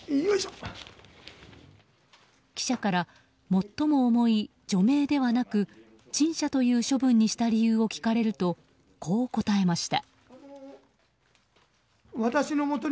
記者から最も重い除名ではなく陳謝という処分にした理由を聞かれるとこう答えました。